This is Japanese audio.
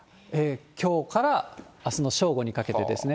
きょうからあすの正午にかけてですね。